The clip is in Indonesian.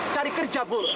cari kerja bur